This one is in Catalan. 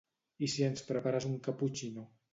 I si ens prepares un caputxino?